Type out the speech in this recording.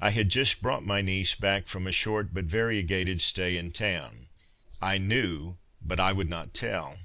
I had just brought my niece back from a short but variegated stay in town. I knew, but I would not tell.